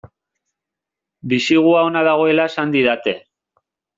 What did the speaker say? Bisigua ona dagoela esan didate.